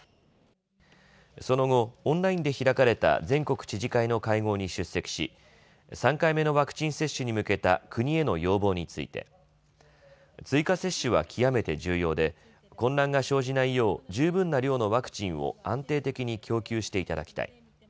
その後、オンラインで開かれた全国知事会の会合に出席し３回目のワクチン接種に向けた国への要望について追加接種は極めて重要で混乱が生じないよう十分な量のワクチンを安定的に供給していただきたい。